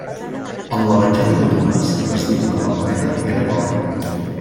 En l'evangeli de Tomàs es diu que la moneda era d'or.